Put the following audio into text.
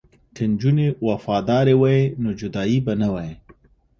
که نجونې وفادارې وي نو جدایی به نه وي.